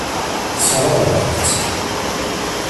Tesseṛɣeḍ-aɣ-tt.